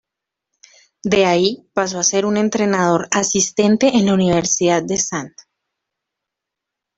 De ahí pasó a ser entrenador asistente de la Universidad de St.